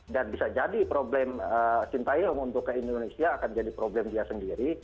dan bisa jadi problem sintayung untuk indonesia akan jadi problem dia sendiri